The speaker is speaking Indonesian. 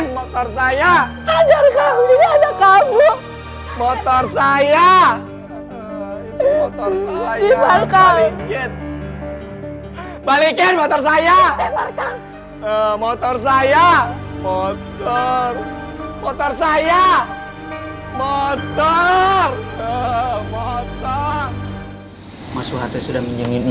motor saya motor saya motor motor saya motor motor masuk hati sudah minjemin